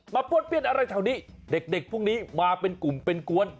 ป้วนเปี้ยนอะไรแถวนี้เด็กพวกนี้มาเป็นกลุ่มเป็นกวน